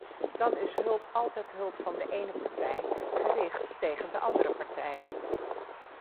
Dan is hulp altijd hulp van de ene partij gericht tegen de andere partij.